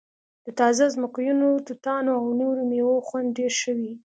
د تازه ځمکنیو توتانو او نورو میوو خوند ډیر ښه وي